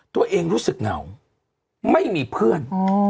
ตัวเองรู้สึกเหงาไม่มีเพื่อน